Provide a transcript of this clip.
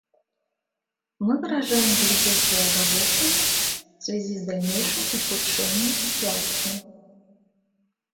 Мы выражаем глубокую озабоченность в связи с дальнейшим ухудшением ситуации.